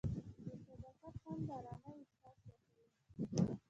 د صداقت خوند د ارامۍ احساس ورکوي.